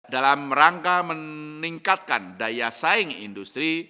dalam rangka meningkatkan daya saing industri